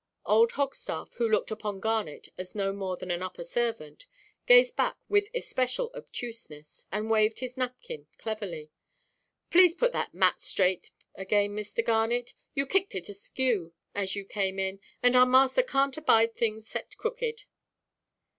Old Hogstaff, who looked upon Garnet as no more than an upper servant, gazed back with especial obtuseness, and waved his napkin cleverly. "Please to put that mat straight again, Mr. Garnet. You kicked it askew, as you came in. And our master canʼt abide things set crooked."